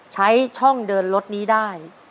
ใช้ช่องเดินรถนี้ได้